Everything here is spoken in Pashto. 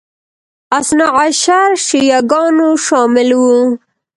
اثناعشري شیعه ګان شامل وو